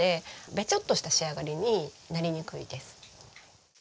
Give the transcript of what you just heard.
べちょっとした仕上がりになりにくいです。